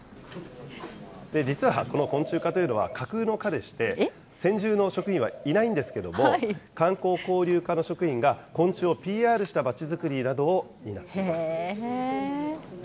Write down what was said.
実はこの昆虫課というのは架空の課でして、専従の職員はいないんですけれども、観光交流課の職員が、昆虫をＰＲしたまちづくりなどを担っています。